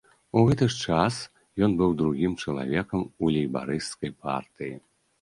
У гэты ж час ён быў другім чалавекам у лейбарысцкай партыі.